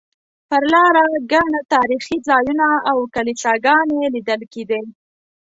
پر لاره ګڼ تاریخي ځایونه او کلیساګانې لیدل کېدې.